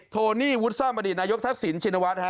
โทนี่วุฒัมอดีตนายกทักศิลป์ชินวัฒน์